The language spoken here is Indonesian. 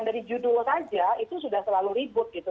dari judul saja itu sudah selalu ribut gitu